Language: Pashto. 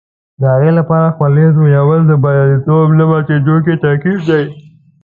د هغې لپاره خولې تویول د بریالیتوب نه ماتېدونکی ترکیب دی.